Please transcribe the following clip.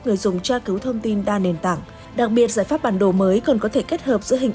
người dùng tra cứu thông tin đa nền tảng đặc biệt giải pháp bản đồ mới còn có thể kết hợp giữa hình